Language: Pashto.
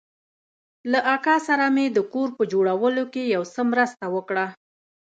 له اکا سره مې د کور په جوړولو کښې يو څه مرسته وکړه.